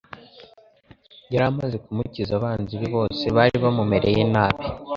yari amaze kumukiza abanzi be bose bari bamumereye nabi